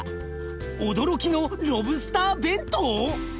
驚きのロブスター弁当？